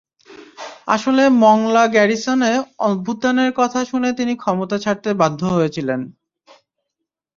আসলে মংলা গ্যারিসনে অভ্যুত্থানের কথা শুনে তিনি ক্ষমতা ছাড়তে বাধ্য হয়েছিলেন।